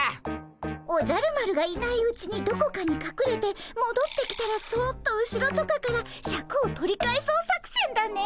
「おじゃる丸がいないうちにどこかにかくれてもどってきたらそっと後ろとかからシャクを取り返そう作戦」だね！